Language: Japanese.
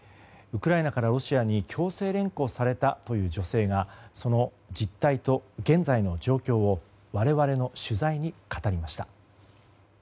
ウクライナからロシアに強制連行されたという女性がその実態と現在の状況を我々の取材に語りました。